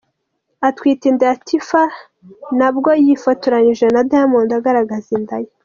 Atwite inda ya Tiffah nabwo yifitoranije na Diamond agaragaza inda ye.